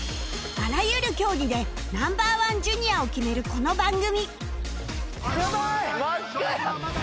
あらゆる競技で Ｎｏ．１Ｊｒ． を決めるこの番組